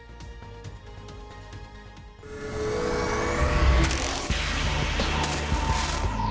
สนับสนุนโดยเอกลักษณ์ใหม่ในแบบที่เป็นคุณโอลี่คัมรี่